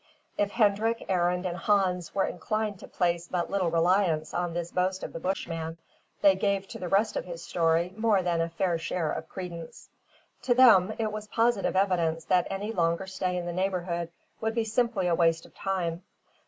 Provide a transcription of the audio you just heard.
If Hendrik, Arend, and Hans were inclined to place but little reliance on this boast of the Bushman, they gave to the rest of his story more than a fair share of credence. To them it was positive evidence that any longer stay in the neighbourhood would be simply a waste of time.